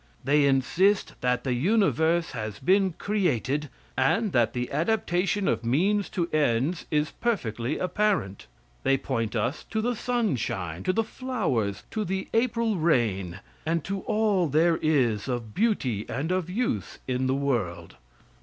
They insist that the universe has been created, and that the adaptation of means to ends is perfectly apparent. They point us to the sunshine, to the flowers, to the April rain, and to all there is of beauty and of use in the world.